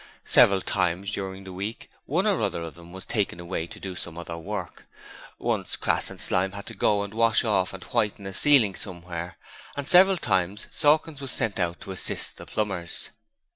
Several times during the week one or other of them was taken away to do some other work; once Crass and Slyme had to go and wash off and whiten a ceiling somewhere, and several times Sawkins was sent out to assist the plumbers.